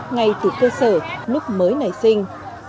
ngay từ cơ sở lúc mới nảy sinh